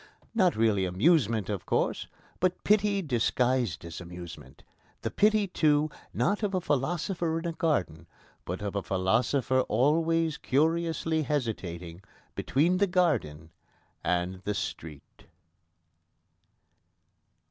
Not really amusement, of course, but pity disguised as amusement the pity, too, not of a philosopher in a garden, but of a philosopher always curiously hesitating between the garden and the street.